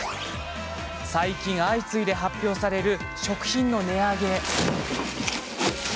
最近、相次いで発表される食品の値上げ。